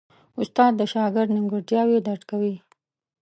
استاد د شاګرد نیمګړتیاوې درک کوي.